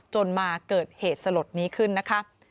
จนมาเกิดเหตุสลดนี้ขึ้นนะคะ